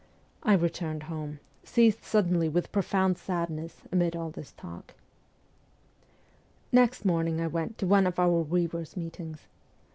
I returned home, seized suddenly with profound sadness amid all this talk. Next morning I went to one of our weavers ST. PETERSBURG 121 meetings.